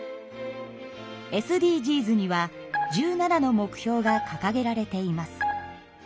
ＳＤＧｓには１７の目標がかかげられています。